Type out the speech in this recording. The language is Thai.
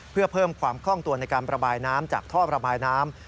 เพื่อเพิ่มความคล่องตัวในการประบายน้ำจากท่อระบายน้ำ